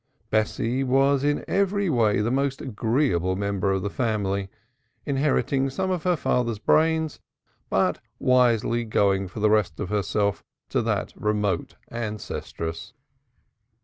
Bessie was in every way the most agreeable member of the family, inheriting some of her father's brains, but wisely going for the rest of herself to that remote ancestress.